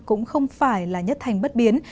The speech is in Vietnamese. cũng không phải là nhất thành bất biến